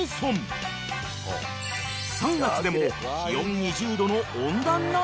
［３月でも気温２０℃の温暖な気候］